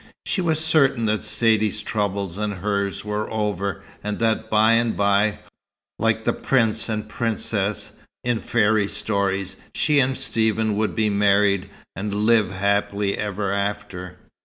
She was certain that Saidee's troubles and hers were over, and that by and by, like the prince and princess in the fairy stories, she and Stephen would be married and "live happily ever after."